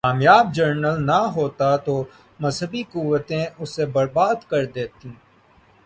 کامیاب جرنیل نہ ہوتا تو مذہبی قوتیں اسے برباد کر دیتیں۔